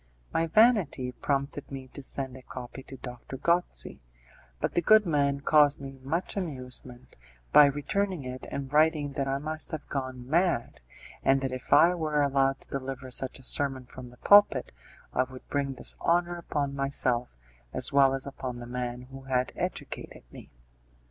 My vanity prompted me to send a copy to Doctor Gozzi, but the good man caused me much amusement by returning it and writing that I must have gone mad, and that if I were allowed to deliver such a sermon from the pulpit I would bring dishonour upon myself as well as upon the man who had educated me.